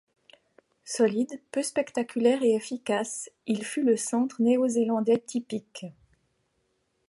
Solide, peu spectaculaire et efficace, il fut le centre néo-zélandais typique.